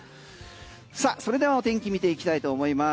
それではお天気見ていきたいと思います。